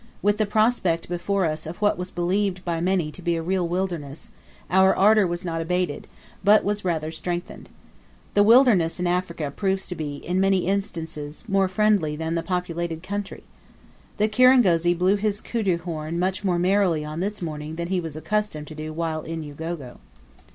With the prospect before us of what was believed by many to be a real wilderness, our ardor was not abated, but was rather strengthened. The wilderness in Africa proves to be, in many instances, more friendly than the populated country. The kirangozi blew his kudu horn much more merrily on this morning than he was accustomed to do while in Ugogo.